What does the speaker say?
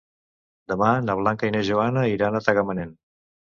Demà na Blanca i na Joana iran a Tagamanent.